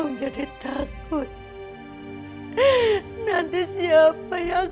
bukankah matamu ini hanya karena hai ayah